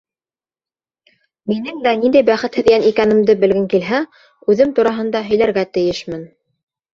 — Минең дә ниндәй бәхетһеҙ йән икәнемде белгең килһә, үҙем тураһында һөйләргә тейешмен.